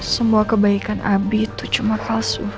semua kebaikan abi itu cuma kalsu